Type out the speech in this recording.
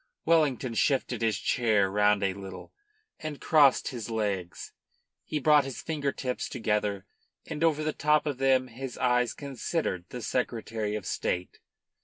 Wellington shifted his chair round a little, and crossed his legs. He brought his finger tips together, and over the top of them his eyes considered the Secretary of State.